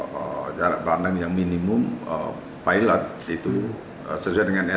bisa saja kepekatan itu akan mengganggu jarak pandang yang minimum pilot itu sesuai dengan sop juga